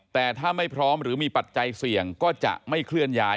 แต่ถ้าไม่พร้อมหรือมีปัจจัยเสี่ยงก็จะไม่เคลื่อนย้าย